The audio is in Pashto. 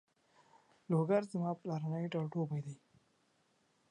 لوګر زما پلرنی ټاټوبی ده